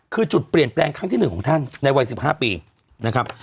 คือจุดเปลี่ยนแปลงทั้งที่หนึ่งของท่านในวัยสิบห้าปีนะครับ